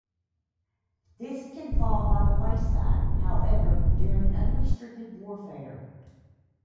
This can fall by the wayside, however, during unrestricted warfare.